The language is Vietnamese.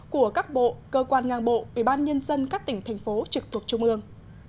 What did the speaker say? của các bộ cơ quan ngang bộ ủy ban nhân dân các tỉnh thành phố trực thuộc trung ương